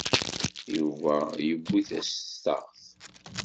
Yuba yewwi tastaɣt.